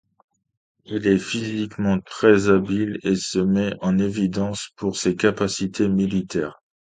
Il est physiquement très habile et se met en évidence pour ses capacités militaires.